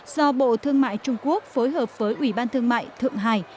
do bộ thương mại trung quốc phối hợp với ủy ban thương mại thượng hải